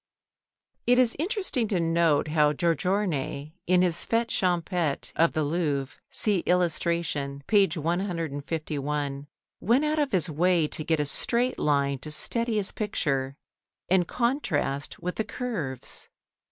It is interesting to note how Giorgione in his "Fête Champêtre" of the Louvre (see illustration, page 151 [Transcribers Note: Plate XXXIII]), went out of his way to get a straight line to steady his picture and contrast with the curves.